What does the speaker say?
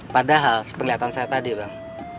padahal sepengelihatan saya tadi bang